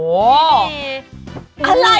โอ้โหมา